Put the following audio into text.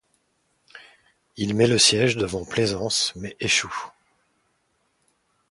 Il met le siège devant Plaisance mais échoue.